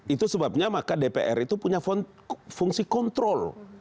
itu sebabnya maka dpr itu punya fungsi kontrol